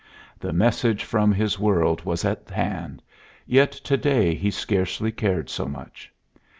The message from his world was at hand, yet to day he scarcely cared so much.